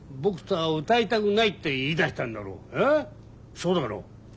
そうだろう？